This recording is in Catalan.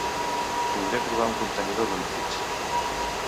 Podré trobar un contenidor de líquids.